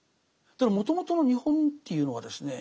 もともとの日本というのはですね